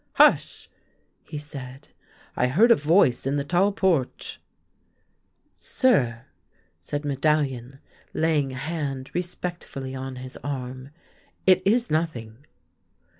" Hush !" he said ;" I hear a voice in the tall porch !"" Sir," said Medallion, laying a hand respectfully on his arm, " it is nothing."